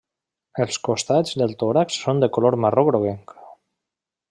Els costats del tòrax són de color marró groguenc.